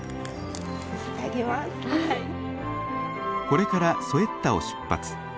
これからソエッタを出発。